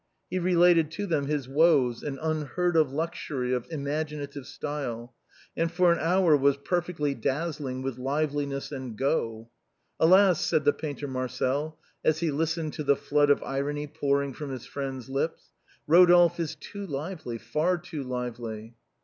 He related to them his woes with an un heard of luxury of imaginative style, and for an hour was perfectly dazzling with liveliness and go. "Alas !" said the painter Marcel, as he listened to the flood of irony pouring from his friend's lips, " Eodolphe is too lively, far too lively."